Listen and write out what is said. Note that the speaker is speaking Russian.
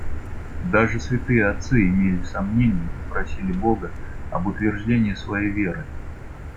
Даже святые отцы имели сомнения и просили Бога об утверждении своей веры.